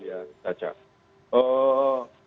saya ingin menanyakan